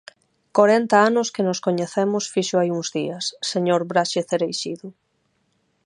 Corenta anos que nos coñecemos fixo hai uns días, señor Braxe Cereixido.